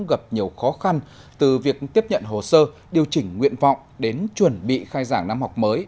gặp nhiều khó khăn từ việc tiếp nhận hồ sơ điều chỉnh nguyện vọng đến chuẩn bị khai giảng năm học mới